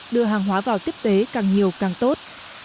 đưa hàng hóa vào tiếp tế càng nhiều càng tốt